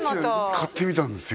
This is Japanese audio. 買ってみたんですよ